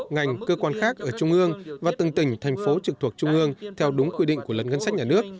ngành cơ quan khác ở trung ương và từng tỉnh thành phố trực thuộc trung ương theo đúng quy định của luật ngân sách nhà nước